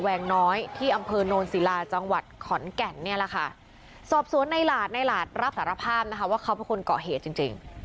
วงน้อยที่อำเภอโนนศิลาจังหวัดขอนแก่นเนี่ยแหละค่ะสอบสวนในหลาดในหลาดรับสารภาพนะคะว่าเขาเป็นคนเกาะเหตุจริงจริง